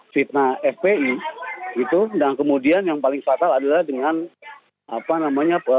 fitnah fpi itu dan kemudian yang paling fatal adalah dengan apa namanya